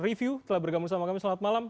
review telah bergabung sama kami selamat malam